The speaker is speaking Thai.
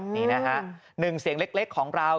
นี่นะฮะหนึ่งเสียงเล็กของเรา